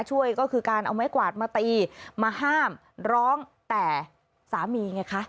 ช่วยก็คือการเอาไม้กวาดมาตีมาห้ามร้องแต่สามีไงคะ